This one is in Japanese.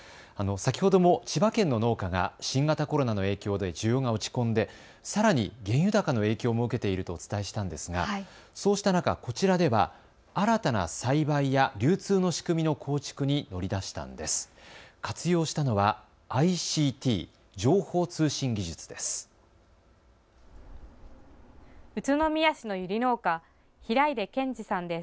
先ほども千葉県の農家が新型コロナの影響で需要が落ち込んでさらに原油高の影響も受けているとお伝えしたんですがそうした中、こちらでは新たな栽培や流通の仕組みの構築に乗り出したんです。